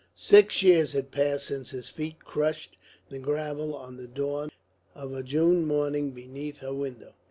Six years had passed since his feet crushed the gravel on the dawn of a June morning beneath her window.